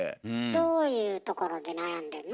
どういうところで悩んでんの？